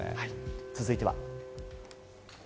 続いては。